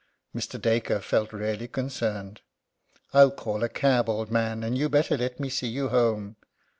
Mr. Dacre felt really concerned. "I'll call a cab, old man, and you'd better let me see you home."